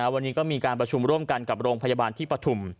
วันนี้ก็มีการประชุมร่วมกันกับโรงพยาบาลที่ปฐุม